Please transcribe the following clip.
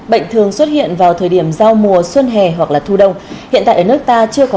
bệnh thường xuất hiện vào thời điểm giao mùa xuân hè hoặc là thu đông